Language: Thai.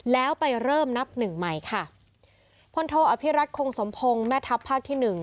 แล้วไปเริ่มนับหนึ่งใหม่ค่ะพลโทอภิรัตคงสมพงศ์แม่ทัพภาคที่หนึ่ง